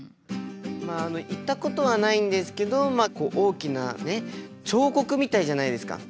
まあ行ったことはないんですけどまあ大きな彫刻みたいじゃないですか。